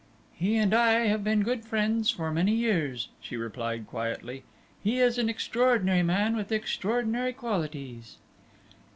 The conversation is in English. "He and I have been good friends for many years," she replied, quietly; "he is an extraordinary man with extraordinary qualities."